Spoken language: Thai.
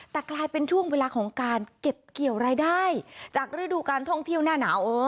แต่กลายเป็นช่วงเวลาของการเก็บเกี่ยวรายได้จากฤดูการท่องเที่ยวหน้าหนาว